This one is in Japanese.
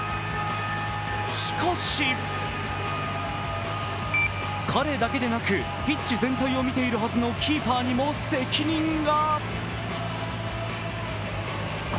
しかし、彼だけでなく、ピッチ全体を見ているはずのキーパーにも責任が。